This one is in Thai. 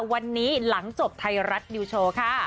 วันนี้หลังจบไทยรัฐนิวโชว์ค่ะ